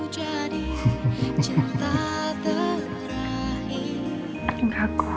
tidak aku tau